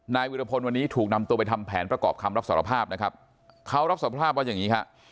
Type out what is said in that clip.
วิรพลวันนี้ถูกนำตัวไปทำแผนประกอบคำรับสารภาพนะครับเขารับสารภาพว่าอย่างนี้ฮะ